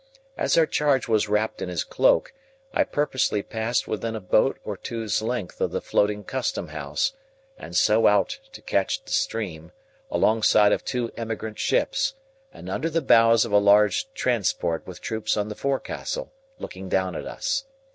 As our charge was wrapped in his cloak, I purposely passed within a boat or two's length of the floating Custom House, and so out to catch the stream, alongside of two emigrant ships, and under the bows of a large transport with troops on the forecastle looking down at us.